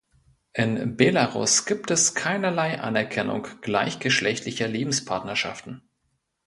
In Belarus gibt es keinerlei Anerkennung gleichgeschlechtlicher Lebenspartnerschaften.